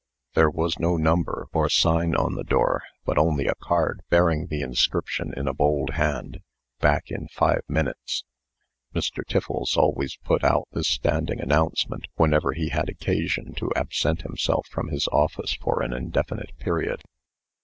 There was no number, or sign, on the door, but only a card bearing the inscription, in a bold hand, "Back in five minutes." Mr. Tiffles always put out this standing announcement whenever he had occasion to absent himself from his office for an indefinite period.